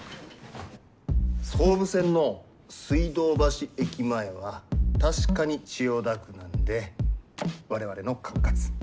総武線の水道橋駅前は確かに千代田区なんで我々の管轄。